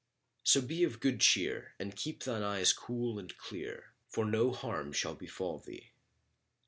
So be of good cheer and keep thine eyes cool and clear, for no harm shall befal thee."